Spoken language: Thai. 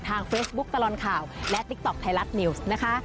ทางเฟซบุ๊คตลอดข่าวและติ๊กต๊อกไทยรัฐนิวส์นะคะ